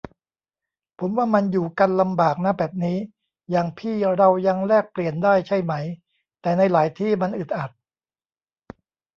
ผมว่ามันอยู่กันลำบากนะแบบนี้ อย่างพี่เรายังแลกเปลี่ยนได้ใช่ไหม แต่ในหลายที่มันอึดอัด